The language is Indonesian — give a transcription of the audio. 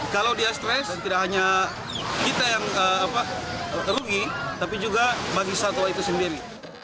kalau dia stres tidak hanya kita yang rugi tapi juga bagi satwa itu sendiri